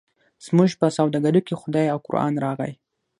زموږ په سوداګرۍ کې خدای او قران راغی.